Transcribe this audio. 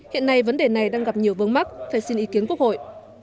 hiện nay vấn đề này đang gặp nhiều vớn mắt phải xin ý kiến quốc hội